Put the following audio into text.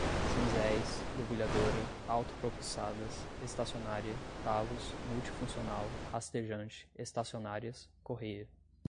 cinzéis, debulhadora, autopropulsadas, estacionária, talos, multifuncional, rastejante, estacionárias, correia